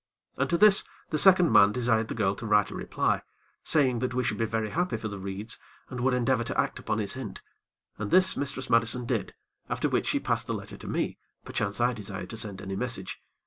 And to this the second mate desired the girl to write a reply, saying that we should be very happy for the reeds, and would endeavor to act upon his hint, and this Mistress Madison did, after which she passed the letter to me, perchance I desired to send any message.